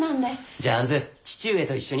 じゃあ杏父上と一緒に。